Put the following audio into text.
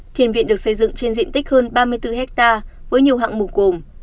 thiền viện được xây dựng trên diện tích hơn ba mươi bốn hectare với nhiều hạng mục gồm